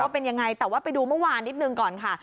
เป็นยังไงแต่ว่าไปดูเมื่อวานนิดนึงก่อนค่ะ